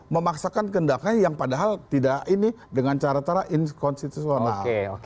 memaksakan kendaknya yang padahal tidak ini dengan cara cara inkonstitusional